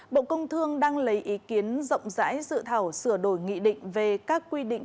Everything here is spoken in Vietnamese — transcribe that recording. bộ công thương đang lấy ý kiến rộng rãi dự thảo sửa đổi nghị định về các quy định